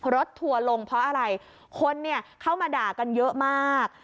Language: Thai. ทัวร์ลงเพราะอะไรคนเนี่ยเข้ามาด่ากันเยอะมาก